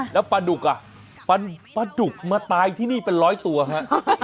แล้วปลาดุกอ่ะปลาดุกมาตายที่นี่เป็นร้อยตัวฮะ